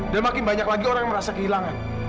dan makin banyak lagi orang yang merasa kehilangan